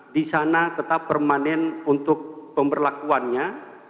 di sana tetap permanen untuk pemberlakuannya